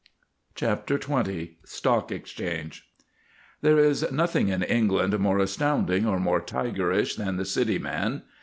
CHAPTER XX STOCK EXCHANGE There is nothing in England more astounding or more tigerish than the city man.